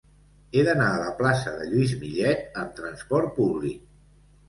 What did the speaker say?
He d'anar a la plaça de Lluís Millet amb trasport públic.